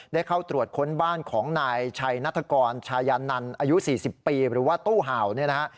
ได้เข้าตรวจค้นบ้านของนายชัยนัฐกรชายานันอายุ๔๐ปีหรือว่าตู้เห่าเนี่ยนะฮะ